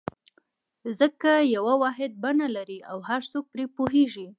ځکه یوه واحده بڼه لري او هر څوک پرې پوهېږي.